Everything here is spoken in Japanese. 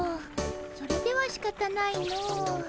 それではしかたないの。